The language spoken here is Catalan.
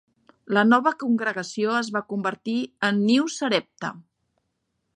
La nova congregació es va convertir en New Sarepta.